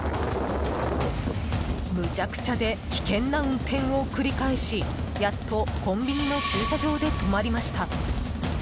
むちゃくちゃで危険な運転を繰り返しやっとコンビニの駐車場で止まりました。